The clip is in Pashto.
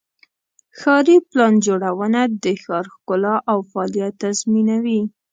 ښاري پلان جوړونه د ښار ښکلا او فعالیت تضمینوي.